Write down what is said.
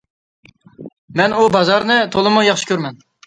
مەن ئۇ بازارنى تولىمۇ ياخشى كۆرىمەن.